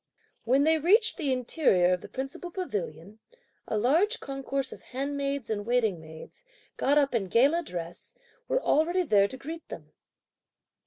When they reached the interior of the principal pavilion, a large concourse of handmaids and waiting maids, got up in gala dress, were already there to greet them.